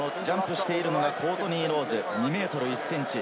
ジャンプしているのがコートニー・ロウズ、２ｍ１ｃｍ。